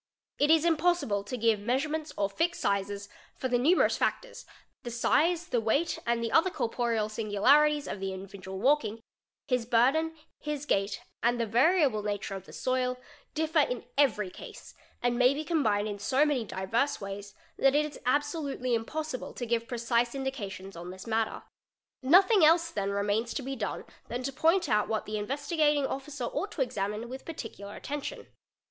It is impossible to give measurements OF fixed sizes; for the numerous factors—the size, the weight, and the othe | corporeal singularities of the individual walking, his burden, his gait, | and the variable nature of the soil—differ in every case, and may be combi WALKING 51l ned in so many diverse ways that it is absolutely impossible to give precise indications on this matter. Nothing else then remains to be done than _ to point out what the Investigating Officer ought to examine with parti cular attention.